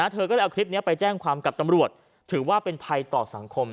เธอก็เลยเอาคลิปนี้ไปแจ้งความกับตำรวจถือว่าเป็นภัยต่อสังคม